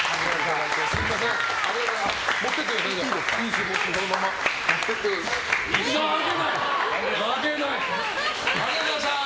すみませんありがとうございました。